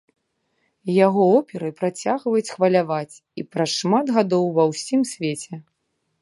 Яго оперы працягваюць хваляваць і праз шмат гадоў ува ўсім свеце.